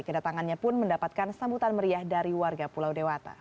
kedatangannya pun mendapatkan sambutan meriah dari warga pulau dewata